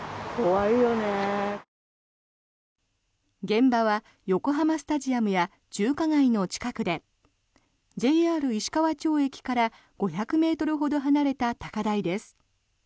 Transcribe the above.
現場は横浜スタジアムや中華街の近くでＪＲ石川町駅から５００ｍほど離れた高台です。